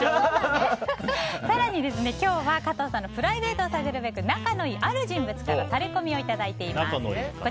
更に今日は加藤さんのプライベートを探るべく仲のいいある人物からタレコミをいただいています。